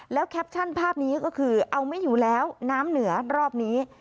แล้วแคปชั่นภาพนี้ก็คือเอาไม่อยู่แล้วน้ำเหนือรอบนี้